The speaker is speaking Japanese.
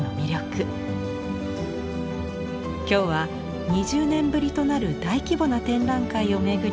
今日は２０年ぶりとなる大規模な展覧会を巡り